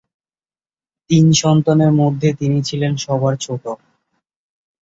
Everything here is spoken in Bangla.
তিন সন্তানের মধ্যে তিনি ছিলেন সবার ছোট।